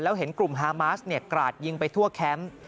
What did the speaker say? แล้วเห็นกลุ่มฮามาสกราดยิงไปทั่วแคมป์